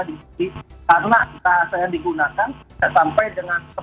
yang digunakan sampai dengan